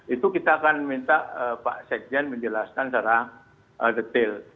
itu kita akan minta pak sekjen menjelaskan secara detail